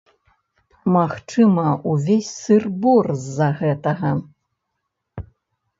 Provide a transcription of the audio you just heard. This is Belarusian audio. Магчыма, увесь сыр-бор з-за гэтага.